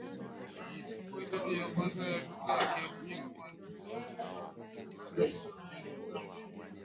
Hii ilikua idhaa ya kwanza ya lugha ya Kiafrika kuanzisha matangazo kupitia mitambo